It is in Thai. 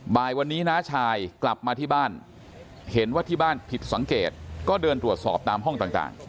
บ่ายวันนี้น้าชายกลับมาที่บ้านเห็นว่าที่บ้านผิดสังเกตก็เดินตรวจสอบตามห้องต่าง